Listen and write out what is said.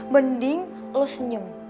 mending lo senyum